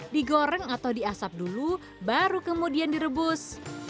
digoreng atau diasap dulu baru kemudian direbus